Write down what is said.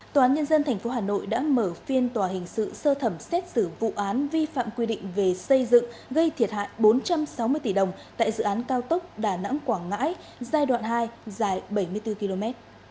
tòa án nhân dân tp hà nội đã mở phiên tòa hình sự sơ thẩm xét xử vụ án vi phạm quy định về xây dựng gây thiệt hại bốn trăm sáu mươi tỷ đồng tại dự án cao tốc đà nẵng quảng ngãi giai đoạn hai dài bảy mươi bốn km